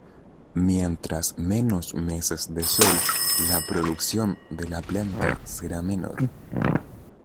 Mientras menos meses de sol la producción de la planta será menor.